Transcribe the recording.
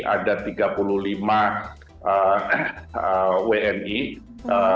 ada tiga puluh lima orang yang berdomisili di jalur gaza